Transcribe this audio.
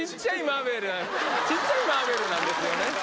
ちっちゃいマーベルなんですよ。